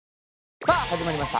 さぁ始まりました